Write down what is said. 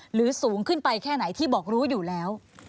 สูงขึ้นไปแค่ไหนที่บอกรู้อยู่แล้ว